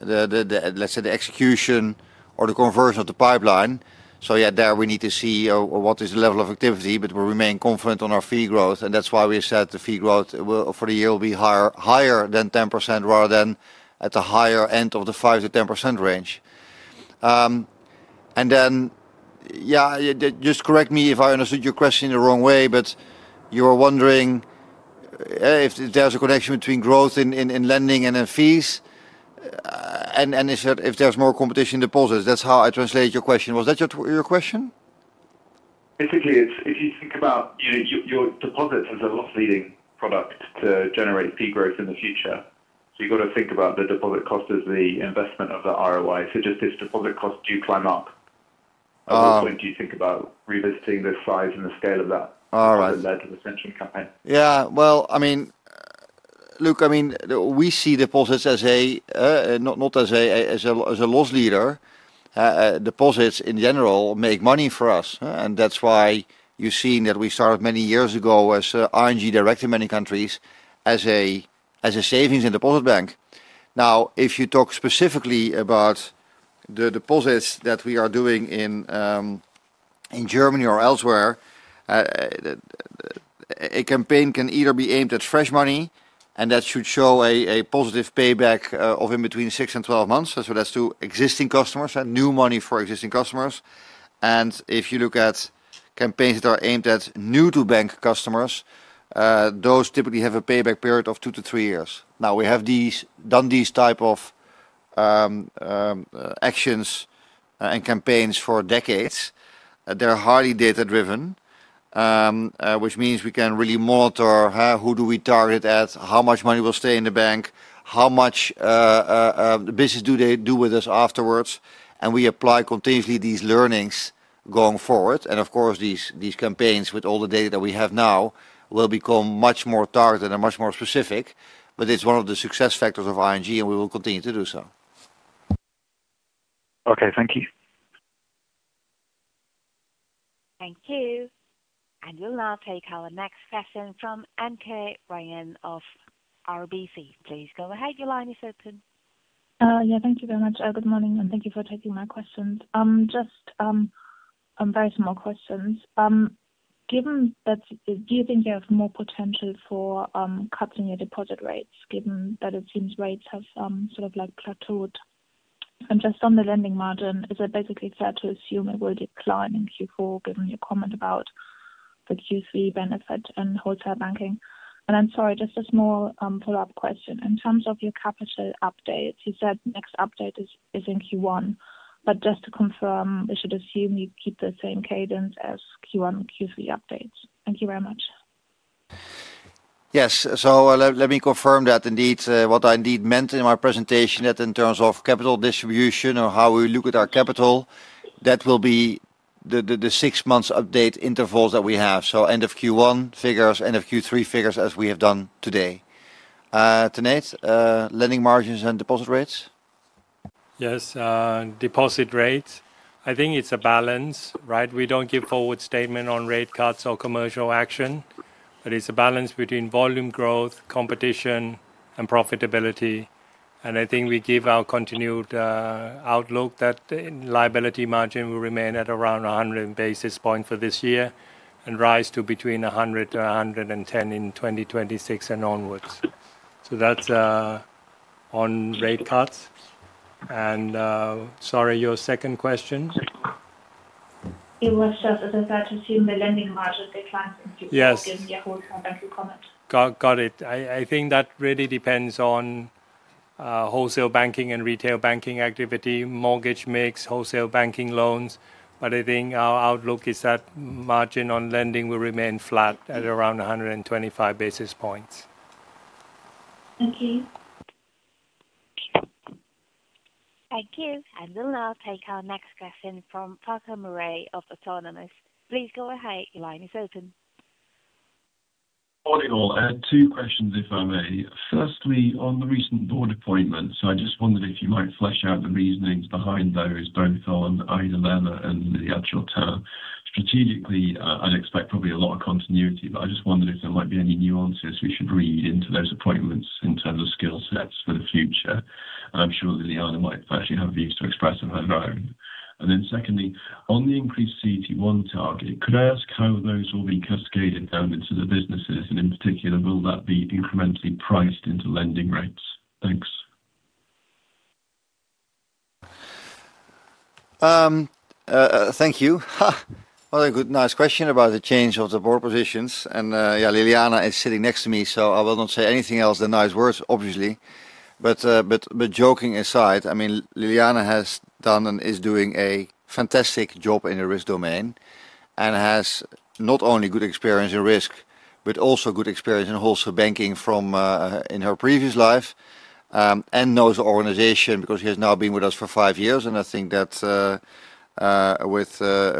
execution or the conversion of the pipeline. We need to see what is the level of activity, but we remain confident on our fee growth. That's why we said the fee growth for the year will be higher than 10% rather than at the higher end of the 5%-10% range. Just correct me if I understood your question in the wrong way, but you were wondering if there's a connection between growth in lending and fees and if there's more competition in deposits. That's how I translated your question. Was that your question? Basically, if you think about your deposit as a loss-leading product to generate fee growth in the future, you've got to think about the deposit cost as the investment of the ROI. Does this deposit cost do climb up? At what point do you think about revisiting the size and the scale of that? All right. That led to the sanction campaign? Yeah. I mean, look, we see deposits not as a loss leader. Deposits in general make money for us. That's why you've seen that we started many years ago as ING Direct in many countries as a savings and deposit bank. Now, if you talk specifically about the deposits that we are doing in Germany or elsewhere, a campaign can either be aimed at fresh money, and that should show a positive payback of between six and 12 months. That's to existing customers and new money for existing customers. If you look at campaigns that are aimed at new-to-bank customers, those typically have a payback period of two to three years. We have done these types of actions and campaigns for decades. They're highly data-driven, which means we can really monitor who we target, how much money will stay in the bank, how much business they do with us afterwards. We apply continuously these learnings going forward. Of course, these campaigns with all the data that we have now will become much more targeted and much more specific. It's one of the success factors of ING, and we will continue to do so. Okay, thank you. Thank you. We'll now take our next question from Anke Reingen of RBC. Please go ahead. Your line is open. Thank you very much. Good morning, and thank you for taking my questions. Just very small questions. Given that, do you think you have more potential for cutting your deposit rates, given that it seems rates have sort of plateaued? Just on the lending margin, is it basically fair to assume it will decline in Q4, given your comment about the Q3 benefit in wholesale banking? I'm sorry, just a small follow-up question. In terms of your capital updates, you said the next update is in Q1. Just to confirm, we should assume you keep the same cadence as Q1 and Q3 updates. Thank you very much. Yes. Let me confirm that indeed what I meant in my presentation is that in terms of capital distribution or how we look at our capital, that will be the six-month update intervals that we have, so end of Q1 figures, end of Q3 figures as we have done today. Tanate, lending margins and deposit rates? Yes. Deposit rate, I think it's a balance, right? We don't give forward statement on rate cuts or commercial action, but it's a balance between volume growth, competition, and profitability. I think we give our continued outlook that the liability margin will remain at around 100 basis points for this year and rise to between 100-110 in 2026 and onwards. That's on rate cuts. Sorry, your second question? It was just, is it fair to assume the lending margin declines in Q4 given your wholesale banking comment? Got it. I think that really depends on wholesale banking and retail banking activity, mortgage mix, wholesale banking loans. I think our outlook is that margin on lending will remain flat at around 125 basis points. Thank you. Thank you. We'll now take our next question from Farquhar Murray of Autonomous. Please go ahead. Your line is open. Morning all. Two questions, if I may. Firstly, on the recent board appointments, I just wondered if you might flesh out the reasonings behind those, both on Ida Lerner and Ljiljana Čortan. Strategically, I'd expect probably a lot of continuity, but I just wondered if there might be any nuances we should read into those appointments in terms of skill sets for the future. I'm sure Ljiljana might actually have views to express on her own. Secondly, on the increased CET1 capital ratio target, could I ask how those will be cascaded down into the businesses? In particular, will that be incrementally priced into lending rates? Thanks. Thank you. What a good nice question about the change of the board positions. Ljiljana is sitting next to me, so I will not say anything else than nice words, obviously. Joking aside, Ljiljana has done and is doing a fantastic job in the risk domain and has not only good experience in risk, but also good experience in wholesale banking in her previous life and knows the organization because she has now been with us for five years. I think that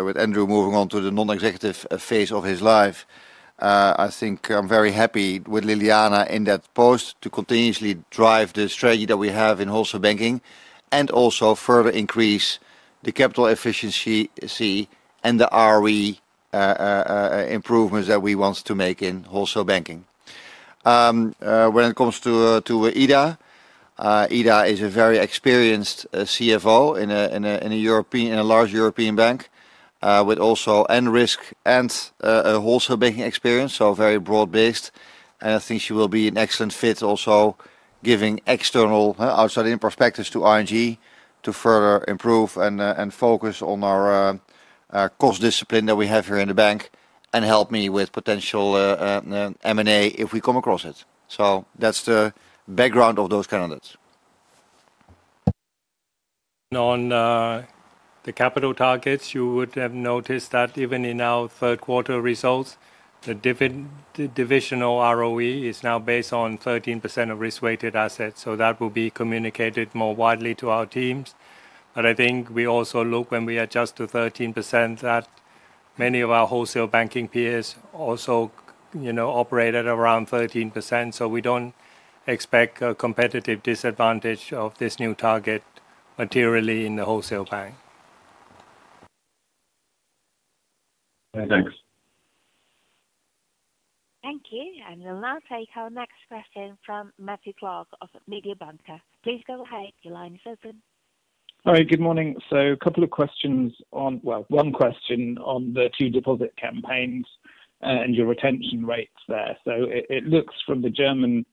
with Andrew moving on to the non-executive phase of his life, I think I'm very happy with Ljiljana in that post to continuously drive the strategy that we have in wholesale banking and also further increase the capital efficiency and the ROE improvements that we want to make in wholesale banking. When it comes to Ida, Ida is a very experienced CFO in a large European bank with also end risk and wholesale banking experience, so very broad-based. I think she will be an excellent fit also giving external outside-in perspectives to ING. to further improve and focus on our cost discipline that we have here in the bank and help me with potential M&A if we come across it. That's the background of those candidates. On the capital targets, you would have noticed that even in our third quarter results, the divisional ROE is now based on 13% of risk-weighted assets. That will be communicated more widely to our teams. I think we also look when we adjust to 13% that many of our wholesale banking peers also operate at around 13%. We don't expect a competitive disadvantage of this new target materially in the wholesale bank. Thanks. Thank you. We'll now take our next question from Matthew Clark of Mediobanca. Please go ahead. Your line is open. All right. Good morning. A couple of questions on, one question on the two deposit campaigns and your retention rates there. It looks from the German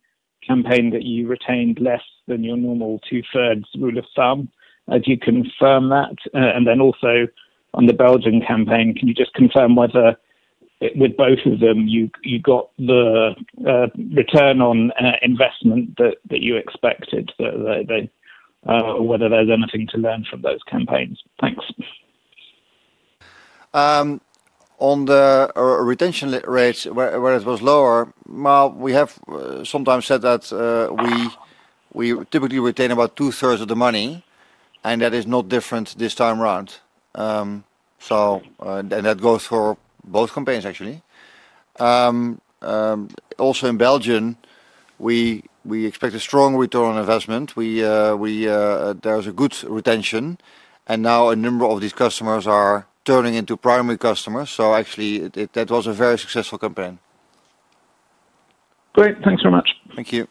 campaign that you retained less than your normal two-thirds rule of thumb. Do you confirm that? Also, on the Belgian campaign, can you just confirm whether with both of them you got the return on investment that you expected, or whether there's anything to learn from those campaigns? Thanks. On the retention rates, where it was lower, we have sometimes said that we typically retain about two-thirds of the money, and that is not different this time around. That goes for both campaigns, actually. Also in Belgium, we expect a strong return on investment. There is a good retention, and now a number of these customers are turning into primary customers. That was a very successful campaign. Great, thanks very much. Thank you.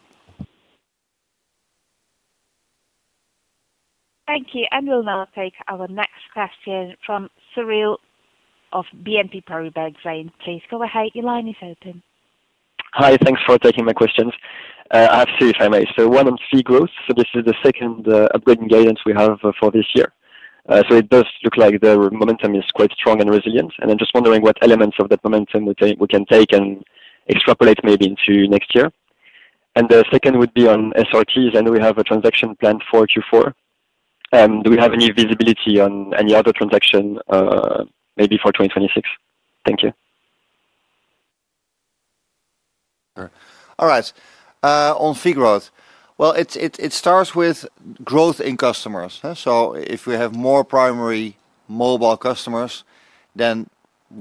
Thank you. We'll now take our next question from Cyril of BNP Paribas Exane. Please go ahead. Your line is open. Hi. Thanks for taking my questions. I have three, if I may. One on fee growth. This is the second upgrading guidance we have for this year. It does look like the momentum is quite strong and resilient. I'm just wondering what elements of that momentum we can take and extrapolate maybe into next year. The second would be on SRTs. I know we have a transaction planned for Q4. Do we have any visibility on any other transaction maybe for 2026? Thank you. All right. On fee growth, it starts with growth in customers. If we have more primary mobile customers, then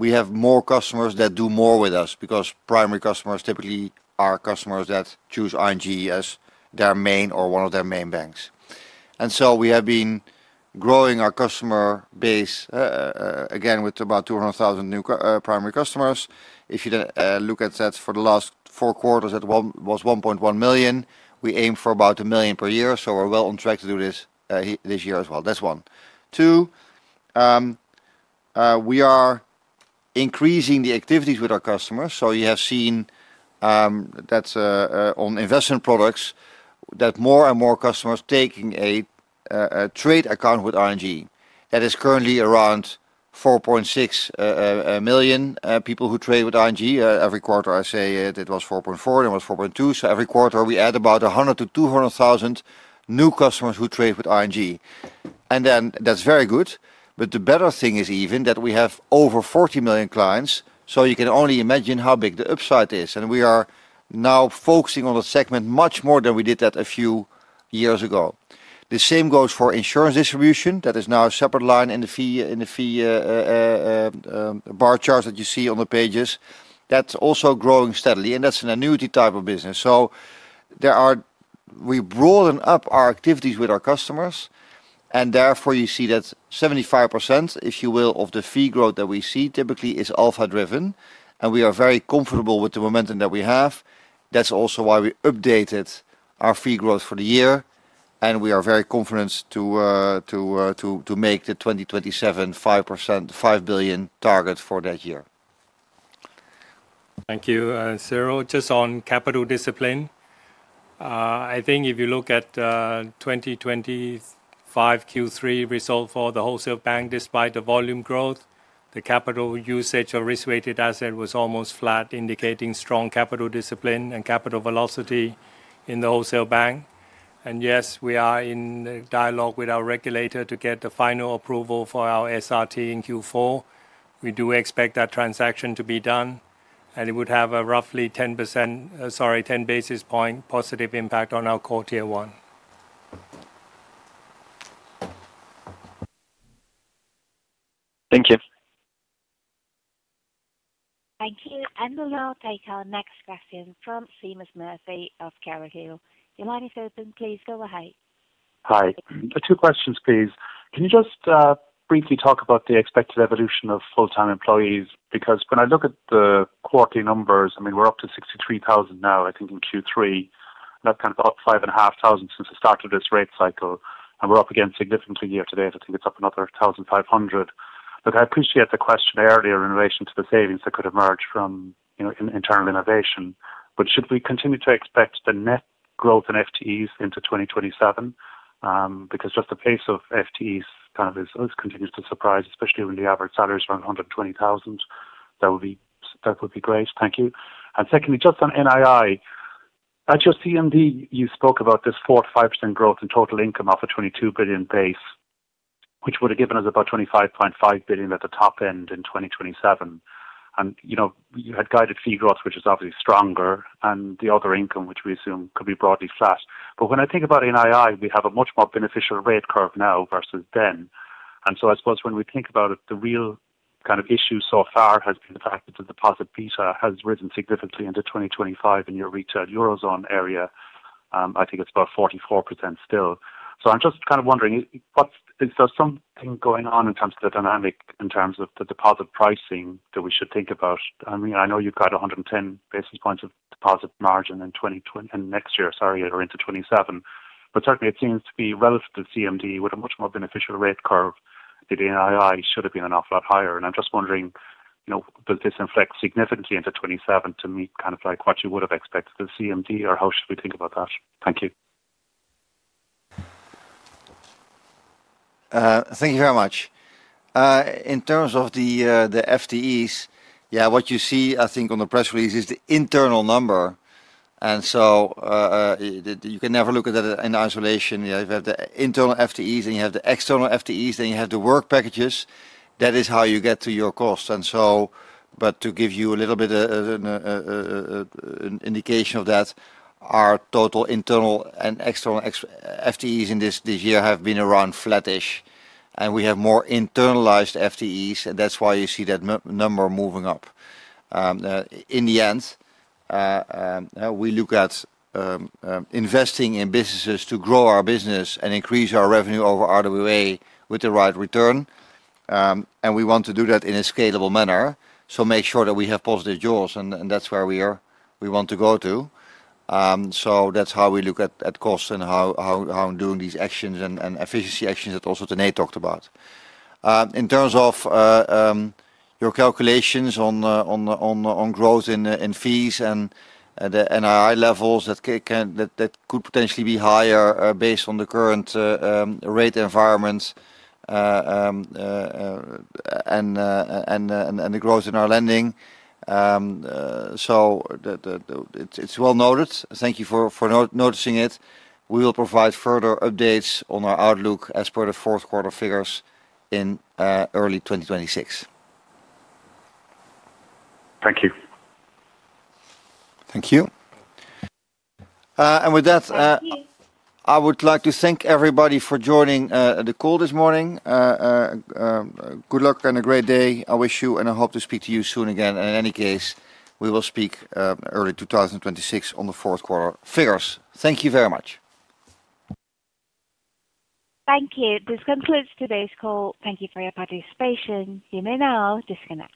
we have more customers that do more with us because primary customers typically are customers that choose ING as their main or one of their main banks. We have been growing our customer base, again, with about 200,000 new primary customers. If you look at that for the last four quarters, that was 1.1 million. We aim for about 1 million per year. We're well on track to do this this year as well. That's one. Two, we are increasing the activities with our customers. You have seen that on investment products that more and more customers take a trade account with ING. That is currently around 4.6 million people who trade with ING. Every quarter, I say it was 4.4 million. It was 4.2 million. Every quarter, we add about 100,000-200,000 new customers who trade with ING. That's very good. The better thing is even that we have over 40 million clients. You can only imagine how big the upside is. We are now focusing on that segment much more than we did a few years ago. The same goes for insurance distribution. That is now a separate line in the fee bar charts that you see on the pages. That's also growing steadily. That's an annuity type of business. We broaden up our activities with our customers. Therefore, you see that 75% of the fee growth that we see typically is alpha-driven. We are very comfortable with the momentum that we have. That's also why we updated our fee growth for the year. We are very confident to make the 2027 5%, 5 billion target for that year. Thank you, Cyril. Just on capital discipline, I think if you look at the 2025 Q3 result for the wholesale bank, despite the volume growth, the capital usage of risk-weighted assets was almost flat, indicating strong capital discipline and capital velocity in the wholesale bank. Yes, we are in dialogue with our regulator to get the final approval for our SRT in Q4. We do expect that transaction to be done. It would have a roughly 10 basis points positive impact on our core tier one. Thank you. Thank you. We'll now take our next question from Seamus Murphy of Carraighill. Your line is open. Please go ahead. Hi. Two questions, please. Can you just briefly talk about the expected evolution of full-time employees? Because when I look at the quarterly numbers, I mean, we're up to 63,000 now, I think, in Q3. That's kind of up 5,500 since the start of this rate cycle. We're up again significantly year to date. I think it's up another 1,500. I appreciate the question earlier in relation to the savings that could emerge from internal innovation. Should we continue to expect the net growth in FTEs into 2027? The pace of FTEs kind of continues to surprise, especially when the average salary is around 120,000. That would be great. Thank you. Secondly, just on NII, at your CMD, you spoke about this 4%-5% growth in total income off a 22 billion base, which would have given us about 25.5 billion at the top end in 2027. You had guided fee growth, which is obviously stronger, and the other income, which we assume could be broadly flat. When I think about NII, we have a much more beneficial rate curve now versus then. I suppose when we think about it, the real kind of issue so far has been the fact that the deposit beta has risen significantly into 2025 in your retail eurozone area. I think it's about 44% still. I'm just kind of wondering, is there something going on in terms of the dynamic in terms of the deposit pricing that we should think about? I know you've got 110 basis points of deposit margin in next year, sorry, or into 2027. Certainly, it seems to be relative to the CMD with a much more beneficial rate curve, the NII should have been an awful lot higher. I'm just wondering, does this inflect significantly into 2027 to meet kind of like what you would have expected to the CMD, or how should we think about that? Thank you. Thank you very much. In terms of the FTEs, yeah, what you see, I think, on the press release is the internal number. You can never look at that in isolation. You have the internal FTEs, then you have the external FTEs, then you have the work packages. That is how you get to your cost. To give you a little bit of an indication of that, our total internal and external FTEs in this year have been around flattish. We have more internalized FTEs, and that's why you see that number moving up. In the end, we look at investing in businesses to grow our business and increase our revenue over RWA with the right return. We want to do that in a scalable manner. Make sure that we have positive jaws, and that's where we want to go to. That's how we look at costs and how I'm doing these actions and efficiency actions that also Tanate Phutrakul talked about. In terms of your calculations on growth in fees and the NII levels that could potentially be higher based on the current rate environment and the growth in our lending, it's well noted. Thank you for noticing it. We will provide further updates on our outlook as per the fourth quarter figures in early 2026. Thank you. Thank you. With that, I would like to thank everybody for joining the call this morning. Good luck and a great day I wish you, and I hope to speak to you soon again. In any case, we will speak early 2026 on the fourth quarter figures. Thank you very much. Thank you. This concludes today's call. Thank you for your participation. You may now disconnect.